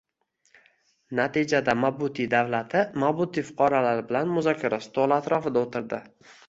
Natijada Mabuti davlati Mabuti fuqarolari bilan muzokara stoli atrofida o‘tirdi